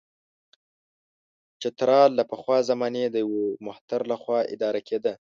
چترال له پخوا زمانې د یوه مهتر له خوا اداره کېده.